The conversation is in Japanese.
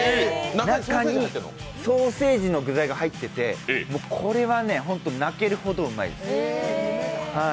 中にソーセージの具材が入っていて、これは本当に泣けるほどうまいです。